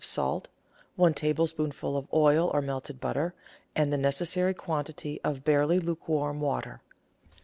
of salt, one tablespoonful of oil or melted butter, and the necessary quantity of barely lukewarm water.